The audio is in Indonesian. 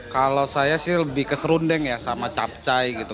kalau saya sih lebih ke serundeng ya sama capcai gitu